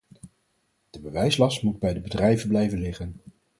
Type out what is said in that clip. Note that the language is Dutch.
De bewijslast moet bij de bedrijven blijven liggen.